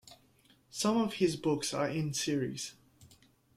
Some of his books are in series.